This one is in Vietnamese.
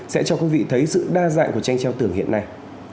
sẽ cho quý vị thấy sự đa dạng của tranh treo tường hiện nay